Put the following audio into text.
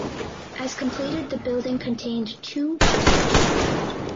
As completed the building contained two churches.